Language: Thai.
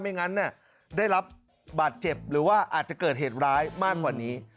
งั้นได้รับบาดเจ็บหรือว่าอาจจะเกิดเหตุร้ายมากกว่านี้